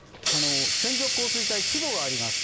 線状降水帯、規模があります。